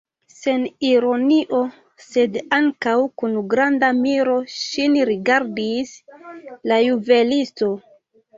Sen ironio, sed ankaŭ kun granda miro ŝin rigardis la juvelisto.